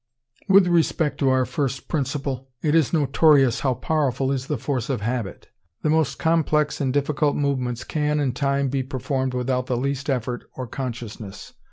With respect to our first Principle, it is notorious how powerful is the force of habit. The most complex and difficult movements can in time be performed without the least effort or consciousness.